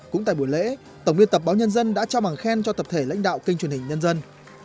cũng tại buổi lễ tổng biên tập báo nhân dân đã trao bằng khen cho tập thể lãnh đạo kênh truyền hình nhân dân